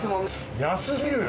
安すぎるよ。